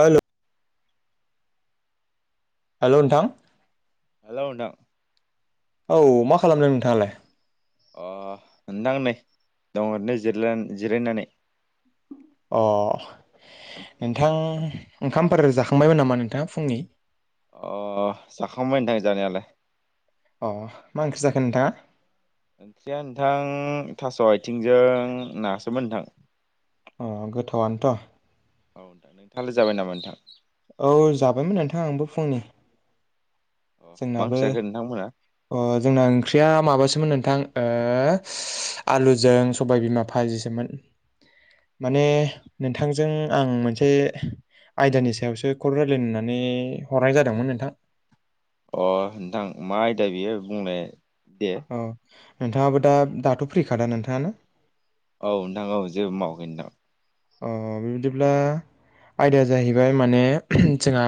हेल' hello नोंथां hello नोंथां औ मा खालामदों नोंथाङालाय अ नोंथां नै दं ओरैनो जिराला जिरायनानै अ नोंथां ओंखामफोर जाखांबायमोन नामा नोंथाङा फुंनि अ जाखांबाय नोथां जानायालाय अ मा ओंख्रि जाखो नोंथाङा। ओंख्रिया नोंथां थास' आथिंजों नासोमोन नोंथां अ गोथावनोथ' औदां नोंथाङालाय जाबाय नामा नोंथां औ जाबायमोन नोंथां आंबो फुंनि अ मा जोंनाबो ओंख्रि जाखो नोंथांमोना ओ जोंना ओंख्रिया माबासोमोन नोंथां ओ आलुजों सबाय बिमा फाजिसोमोन माने नोंथांजों आं मोनसे आयदानि सायावसो खर' रायलायनानै हरनाय जादोंमोन नोंथां। अ नोंथां मा आयदा बेयो बुंनाय। औ नोंथाङाबो दा दाथ' फ्रिखादा नोंथाङानो। औ नोंथां औ जेबो मावाखै नोंथां अ बिबायदिब्ला आयदाया जाहैबाय माने जोंहा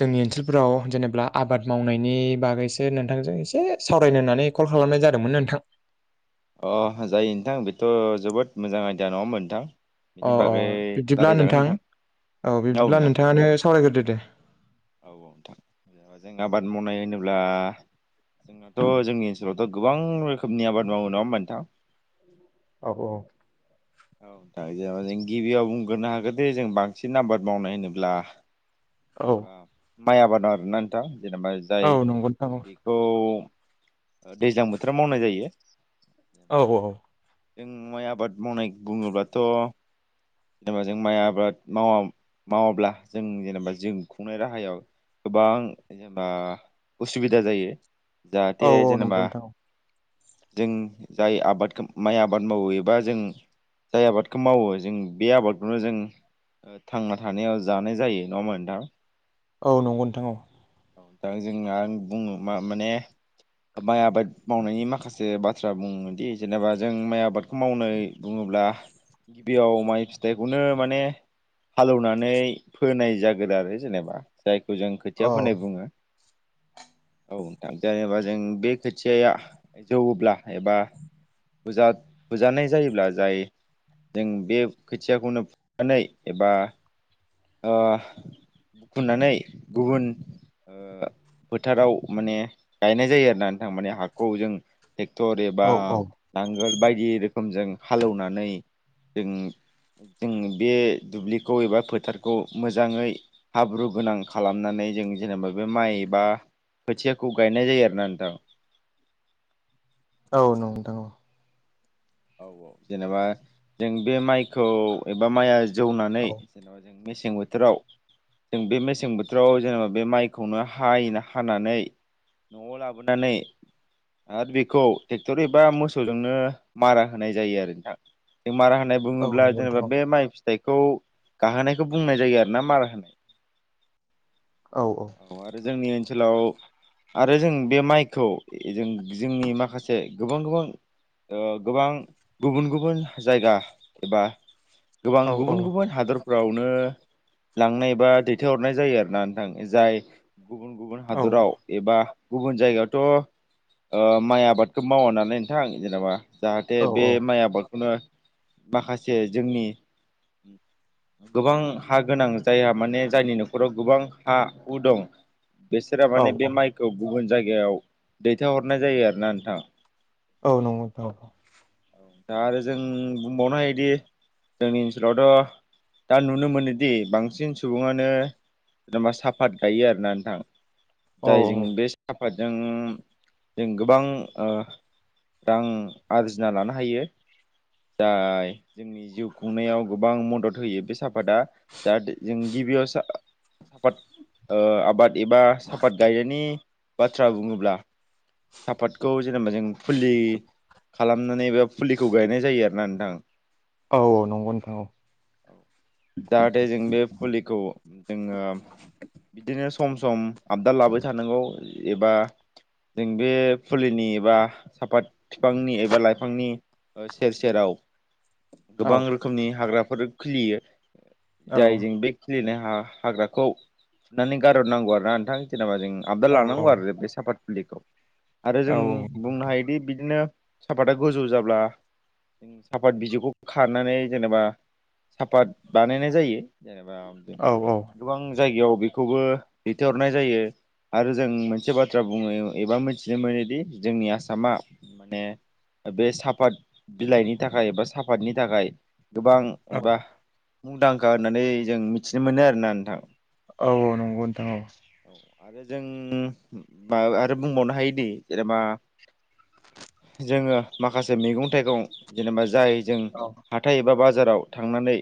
जोंनि ओनसोलफोराव जेनेब्ला आबाद मावनायनि नि बागैसो नोंथांजों एसे सावरायनो होन्नानै कल खालामनाय जादोंमोन नोंथां। अ जायो नोंथां बेथ' जोबोद मोजां आयदिया नङामोन नोंथां। अ बिनि अ बागै बिब्दिब्ला नोंथां औ बिब्दिब्ला नोंथाङानो सावरायग्रोदो दे औ औ नोंथां ज जों आबाद मावनाय होनोब्ला जोंनाथ' जोंनि ओनसोलावथ' गोबां रोखोमनि आबाद मावो नङा होमबा नोंथां। औ औ दा जा जों गिबियाव बुंग्रोनो हागोन दे जों बांसिन नाम्बाद मावनाय होनोब्ला औ जेनेबा माइ आबादाव आरो ना आथा जेनेबा जाय औ नंगौ नोंथां औ बेखौ दैज्लां बोथोराव मावनाय जायो। औ जेनेबा औ जों माइ आबाद मावनाय बुङोब्लाथ' जेनेबा जों माइ आबाद मावा मावाब्ला जों जेनेबा जों खुंनाय राहायाव गोबां जेनेबा उसुबिदा जायो। जाहाथे औ औ जेनेबा नंगौ नोंथां जों जाय आबादखौ माइ आबाद मावो एबा जों जाय आबादखौ मावो जों बे आबादखौनो जों ओ थांना थानायाव जानाय जायो नङाहोमबान थां? औ नंगौ नोंथां औ। औ दा जों आं बुङो मा माने माइ आबाद मावनायनि माखासे बाथ्रा बुङोदि जेनेबा जों माइ आबादखौ मावनो बुङोब्ला गिबियाव माइ फिथाइखौनो माने हालौवनानै फोनाय जागोन आरो जेनेबा जायखौ जों खोथिया औ फोनाय बुङो औ थां जेनेबा जों बे खोथियाया जौवोब्ला एबा बुजाद बुजानाय जायोब्ला। जाय जों बे खोथियाखौनो फुनानै एबा बुखुननानै गुबुन फोथाराव माने गायनाय जायो आरो ना नोंथांमाने हाखौ जों टेक्टर एबा औ औ नांगोल बायदि रोखोमजों हालौवनानै जों जों बे दुब्लिखौ एबा फोथार खौ मोजाङै हाब्रु गोनां खालामनानै जों जेनेबा बे माइबा खोथियाखौ गायनाय जायो आरो ना नोंथां। औ औ औ जेनेबा जों बे माइखौ एबा माइआ जौनानै औ मेसें बोथोराव जों बे मेसें बोथोराव जेनेबा बे माइखौनो हायो हानानै‌ न'आव लाबोनानै आरो बेखौ ट्रेक्टर एबा मोसौजोंनो मारा होनाय जायो आरो नोंथां जों मारा होनाय औ बुङोब्ला नंगौ जेनेबा नोंथां बे माइ फिथाइखौ गाहोनायखौ बुंनाय जायो आरो ना मारा होनाय। औ आरो जोंनि ओनसोलाव आरो जों बे माइखौ जों जोंनि माखासे गोबां गोबां। ओ गोबां गुबुन गुबुन जायगा एबा गोबां औ गुबुन गुबुन हादरफो फ्रावनो लांनाय बा दैथायहरनाय जायो आर ना नोंथां जाय गुबुन गुबुन औ हादराव एबा गुबुन जायगायावथ' ओ माइ आबादखौ मावा नालाय नोंथां जेनेबा। जाहाथे बे माइ आबादखौनो माखासे जोंनि। गोबां हा गोनां जायहा माने जायनि न'खराव गोबां हा हु दं। बेसोरा औ माने बे माइखौ गुबुन जायगायाव दैथाय हरनाय जायो आरो ना नोंथां। औ नंगौ नोंथां। दा आरो जों बुंबावनो हायोदि जोंनि ओनसोलावथ'। दा नुनो मोनोदि बांसिन सुबुङानो। जेन'बा साफात गायो आरोना नोंथां औ ।जाय जों बे साफात जों जों गोबां ओ रां। आरजिना लानो हायो। जाय जोंनि जिउ खुंनायाव गोबां मदद होयो बे साफादा दा दि जों गि गिबियाव सा फात ओ आबाद एबा साफात गायनायनि बाथ्रा बुङोब्ला सापातखौ जेनेबा जों फुलि खालामनानै एबा फुलिखौ गायनाय जायो आर ना नोंथां। औ औ नंगौ नोंथां। जाहाथे जों बे फुलिखौ जोङो। बिदिनो सम सम आबदार लाबाय थानांगौ एबा जों बे फुलिनि एबा साफात बिफांनि एबा लाइफांनि सेर सेराव औ गोबां रोखोमनि हाग्रा फोर खिलियो जाय जों बे खिलिनाय ह हा हाग्राखौ फुनानै गारहरनांगौ आर ना नोंथां जेनेबा जों आबदाद औ लानांगौ औ आरो बे साफात [unintelligible] आरो औ जों बुंनो हायोदि बिदिनो सापातआ गोजौ जाब्ला जों साफात बिजौखौ खारनानै जेनेबा साफात बानायनाय जायो। जेनेबा औ औ गोबां जायगायाव बेखौबो दैथायहरनाय जायो आरो जों मोनसे बाथ्रा बुङो एबा मिथिनो मोनोदि जोंनि आसामा माने। बे साफात बिलाइनि थाखाय बा साफतनि थाखाय। गोबां औ एबा मुंदांखा होननानै जों मिथिनो मोनो आरोना नोंथां। औ औ नंगौ नोंथां औ। आरो जों म आरो बुंबावनो हायोदि जेनेबा जोङो माखासे मैगं थाइगं जेनेबा जाय जों औ हाथाय ए बा बाजा। बाजाराव थांनानै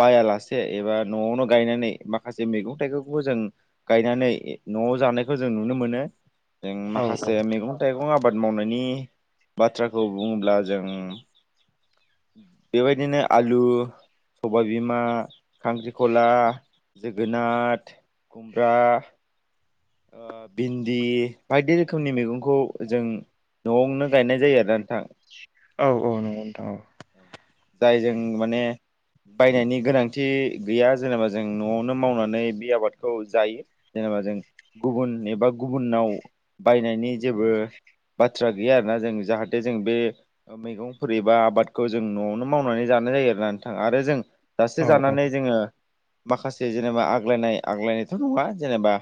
बायालासे एबा न'आवनो गायनानै माखासे मैगं थाइगंखौबो जों गायनानै ऐ न'आव जानायखौ जों नुनो मोनो। जों औ औ माखासे मैगं थाइगं आबाद मावनायनि बाथ्राखौ बुङोब्ला जों बेबायदिनो आलु। सबायबिमा खांख्रिखला जोगोनात कुमब्रा ओ भिन्दि बायदि रोखोमनि मैगंखौ जों न'आवनो गायनाय जायो आरोना नोंथां। औ औ नंगौ नोंथां औ। जायजों माने बायनायनि गोनांथि गैया जेनेबा जों न'आवनो मावनानै बे आबादखौ जायो जेन'बा ओ जों गुबुन एबा गुबुनाव बायनायनि जेबो बाथ्रा गैया आरोना जों जाहाथे जों बे मैगंफोर एबा आबादखौ जों न'आवनो मावनानै जानाय जायो आरो नथां आरो जों दासे औ औ जानानै जोङो माखासे जेनेबा आग्लायनाय आग्लायनायथ' नङा जेनेबा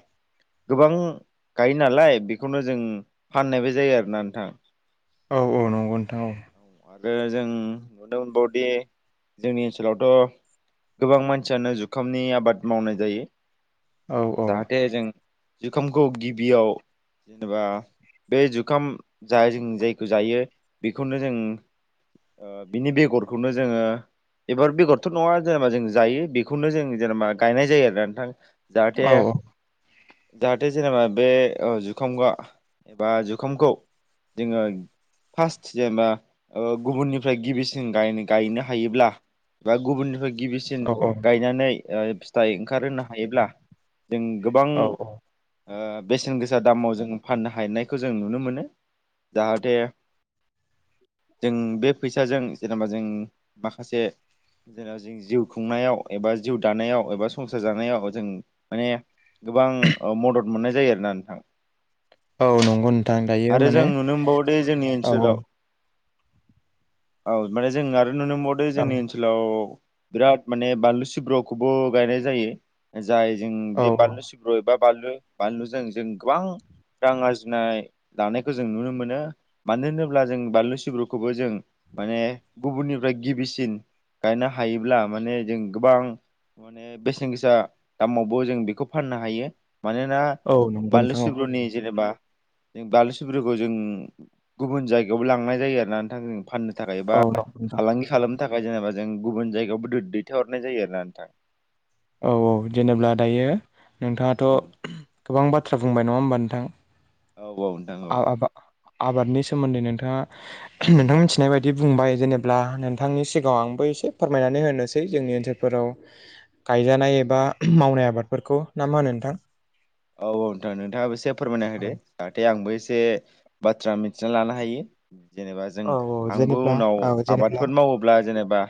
गोबां गायो नालाय बेखौनो जों फाननायबो जायो आरोना नोंथां। औ औ नंगौ नोंथां औ आरो जों नुनो मोनबावदि जोंनि ओनसोलावथ' गोबां मानसियानो जुखामनि आबाद मावनाय जायो औ औ जाहाथे जों। जुखामखौ गिबियाव जेनेबा बे जुखाम ज जों जायखौ जायो बेखौनो जों ओ बिनि बेगरखौनो जोङो एबार बेगरथ' नङा जेनेबा जों जायो बेखौनो जों जेनेबा गायनाय जायो आरोना नोंथां। औ जाहाथे जाहाथे जेनेबा बे जुखामआ एबा जुखामखौ जोङो फार्स्ट जेनेबा गुबुननि गिबिसिन गायनो हायोब्ला बा गुबुननिफ्राय गिबिसिन गायनानै ओ फिथाइ ओंखारहोनो हायोब्ला जों गोबां औ औ बेसेन गोसा दामाव जों फाननो हायनायखौ जों नुनो मोनो जाहाथे जों बे फैसाजों जेनेबा जों माखासे। जेनाव जों जिउ खुंनायाव एबा जिउ दानायाव एबा संसार जानायाव जों माने गोबां मदद मोननाय जायो आरोना नोंथां। औ नंगौ नोंथां दायो आरो माने जों नुनो मोनबावो दे जोंनि औ ओनसोलाव औ माने जों आरो नुनो मोनबावदो औ जोंनि ओनसोलाव बिराद माने बानलु सिब्र'खौबो गायनाय जायो जाय जों औ बे बानलु सिब्र' एबा बानलु बानलुजों जों गोबां रां आरजिनाय लानायखौ जों नुनो मोनो मानो होनोब्ला जों बानलु सिब्रुखौबो जों। माने गुबुननिफ्राय गिबिसिन गायनो हायोब्ला माने जों गोबां। माने बेसेन गोसा दामावबो जों बेखौ फाननो हायो। मानोना औ नंगौ बाललिु नोंथां औ सब्रनि जेनेबा। जों बालुसि ब्रुखौ जों गुबुन जायगायावबो लांनाय जायो आरोना नोंथां जों फाननो। थाखाय बा औ नंगौ नोंथां फालांगि खालाम थाखाय जेनेबा जों गुबुन जायगायावबो दैथाय हरनाय जायो आरो ना नोंथां। औ औ जेनेब्ला दायो नोंथां औ नोंथाङाथ' गोबां बाथ्रा। बुंबाय नङा होमबा नोंथां। औ औ नोंथां औ। आ आबा आबादनि सोमोन्दै नोंथाङा उ नोंथां मिथिनाय बायदि बुंबाय जेनेब्ला नोंथांनि सिगाङाव आं फै एसे फोरमायनानै होनोसै जोंनि ओनसोलफोराव। गायजानाय एबा उ मावनाय आबादफोरखौ ना मा होनो नोंथां औ औ नोंथां नोंथाङाबो एसे फोरमायना होदो जाहाथे आंबो एसे एसे बाथ्रा मिथिना लानो हायो जेनेबा जों औ आंबो जेनेब्ला उनाव औ जेनेब्ला आबादफोर मावोब्ला जेनेबा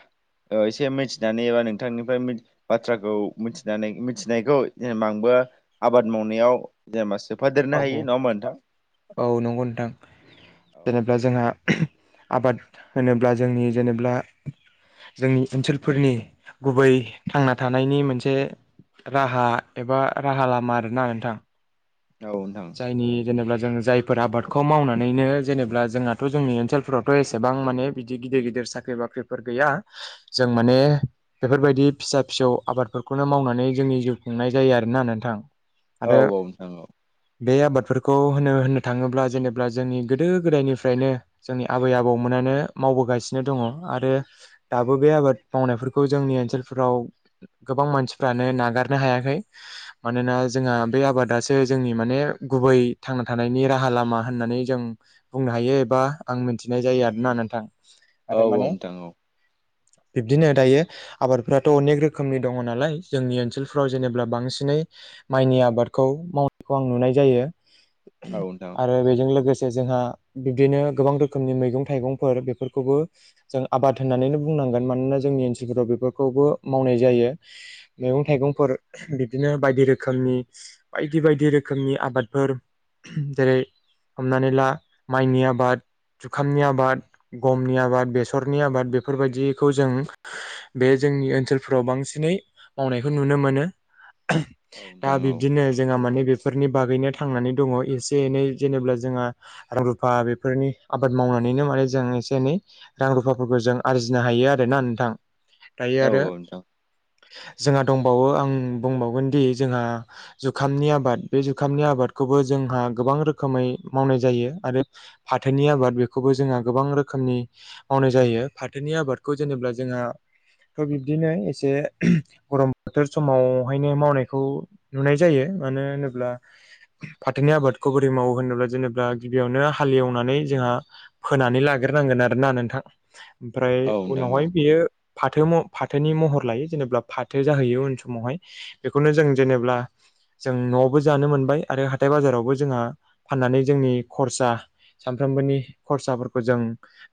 एसे मिथिनानै एबा नोंथांनिफ्राय बाथ्राखौ मिथि मिथिनायखौ जेनबा आांबो आबाद मावनायाव जेनेबा सोफादेरनो औ हायो नङाबा नोंथां। औ नंगौ नोंथां औ जेनेबा जोंहा। उम आबाद होनोब्ला जोंनि जेनेब्ला जोंनि ओनसोलफोरनि गुबै थांना थानायनि मोनसे राहा एबा राहा लामा आरोना नोंथां। नोंथां जायनि जेनेब्ला। जों जायफोर आबादखौ मावनानैनो जेनेब्ला जोंहाथ' जोंनि ओनसोलफोरावथ' एसेबां माने बिदि गिदिर गिदिर। साख्रि बाख्रिफोर गैया जों माने बेफोरबायदि फिसा फिसौ आबादफोरखौनो मावनानै जोंनि जिउ खुंनाय जायो आरोना नोंथां औ आरो औ नोंथां औ बे आबादफोरखौ होनो होननो थांङोब्ला जेनेबा जोंनि गोदो गोदायनिफ्रायनो जोंनि आबै आबौमोना नो मावबोगासिनो दंङ आरो दाबो बे आबाद मावनायफोरखौ जोंनि ओनसोलफोराव गोबां मानसिफ्रानो नागारनो हायाखै मानोना जोंहा बे आबादासो जोंनि माने गुबै थांना थानायनि राहा लामा होननानै जों बुंनो हायो एबा आं मिथिनाय जायो आरोना नोंथां। औ आरो औ माने नोंथां औ बिब्दिनो दायो आबादफ्राथ अनेक रोखोमनि दंङ नालाय जोंनि ओनसोलफ्राव जेनेबा बांसिनै माइनि आबादखौ मावनायखौ आं नुनाय जायो औ नोंथां आरो बेजों लोगोसे जोंहा बिबदिनो गोबां रोखोमनि मैगं थाइगंफोर बेफोरखौबो जों आबाद होननानै बुंनां [unintelligible] गोनानोना जोंनि ओनसोलफोराव बेफोरखौबो मावनाय जायो मैगं थाइगंफोर बिदिनो। बायदि रोखोमनि बायदि बायदि रोखोमनि आबादफोर जेरै हमनानै ला माइनि आबाद जुखामनि आबाद गमनि आबाद बेसरनि आबाद बेफोरबायदिखौ जों बे जों जोंनि ओनसोलफ्राव बांसिनै मावनायखौ नुनो मोनो औ दा नोंथां औ बिब्दिनो जोंहा माने बेफोरनि बागैनो थांनानै दङ एसे एनै जेनेबा जोंहा रां रुफा बेफोरनि आबाद मावनानैनो मो फाय जों एसे एनै रां रुफाफोरखौ जों आरजिनो हायो आरो ना नोंथां दायो औ आरो औ नोंथां जोंहा दंबावो आं बुंबावगोन दि जोंहा जुखामनि आबाद। बे जुखामनि आबादखौबो जोंहा गोबां रोखोमै मावनाय जायो आरो फाथोनि आबाद बेखौबो जोंहा गोबां रोखोमनि मावनाय जायो फाथोनि आबादखौ जेनोब्ला जोंआ। थ' बिब्दिनो एसे गरम बोथोर समावहायनो मावनायखौ नुनाय जायो मानो ब्ला फाथोनि आबादखौ बोरै मावो होनोब्ला जेनेब्ला गिबियावनो हालेवनानै जोंहा फोनानै लाग्रोनांगोन आरोना नोंथां ओमफ्राय औ नोंथां औ उनावहाय बियो फाथ थो फाथोनि महर लायो जेनेबा फाथो जाहैयो उन समावहाय बेखौनो जों जेनेबा जों न' जानो मोनबाय आरो हाथाइ बाजारावबो जोंहा फाननानै जोंनि खरसा सानफ्रोमबोनि खरसाफोरखौ जों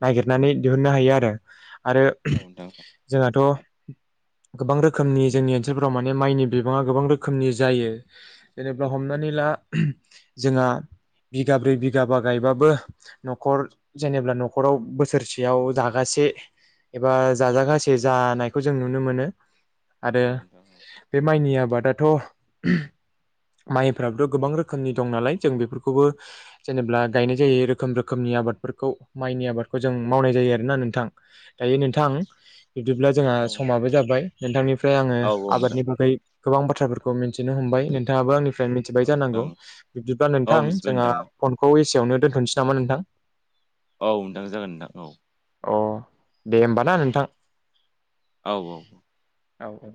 नागिरनानै दिहुननो हायो आरो आरो औ नोंथां जोंहाथ' गोबां रोखोमनि जोंनि ओनसोलफोराव माने माइनि बिबांङा गोबां रोखोमनि जायो जेनेबा हमनानै ला जोंहा। बिगाब्रै बिगाबा गायबाबो न'खर जेनेब्ला न'खराव बोसोरसेयाव जागासि जे एबा जाजागासे जानायखौ जों नुनो मोनो आरो औ नोंथां औ बे माइनि आबादाथ' माइफ्राबोथ गोबां रोखोमनि दं नालाय जों बेफोरखौबो जेनेबा गायनाय जायो रोखोम रोखोमनि नि आबादफोरखौ माइनि आबादखौ जों मावनाय जायो आरोना नोंथां दायो औ नोंथां बिदिब्ला जोंहा औ नोंथां समाबो जाबाय नोंथांनिफ्राय आङो औ नोथां आबादनि बागै गोबां बाथ्राफोरखौ मिन्थिनो हमबा नोंथांङाबो आंनिफ्राय मिथिबाय औ जानांगौ नोंथां बिदिब्ला औ नोंथां मिथिबाय जोंहा नोंथां फनखौ बेयावनो दोनथ'नोसै नामा नोंथां? औ नोंथां जागोन नोंथां औ अ दे होमबा ना नोंथां औ औ औ औ